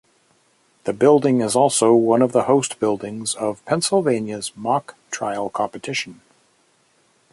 The building is also one of the host buildings of Pennsylvania's Mock Trial Competition.